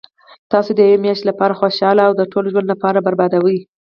تاسو د یوې میاشتي لپاره خوشحاله او د ټول ژوند لپاره بربادوي